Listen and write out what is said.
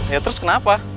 ya terus kenapa